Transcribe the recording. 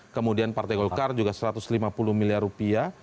kemudian partai golkar juga satu ratus lima puluh miliar rupiah